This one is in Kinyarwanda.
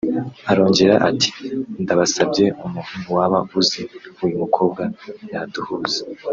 Arongera ati “Ndabasabye umuntu waba uzi uyu mukobwa yaduhuza